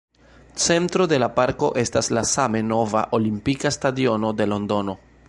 Centro de la parko estas la same nova Olimpika Stadiono de Londono.